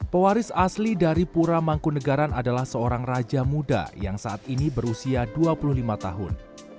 pewaris asli dari pura mangkunegaran adalah seorang raja muda yang saat ini berusia dua puluh lima tahun